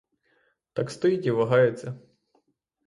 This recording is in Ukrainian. Так стоїть і вагається.